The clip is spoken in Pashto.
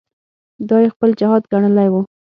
دا یې خپل جهاد ګڼلی وو.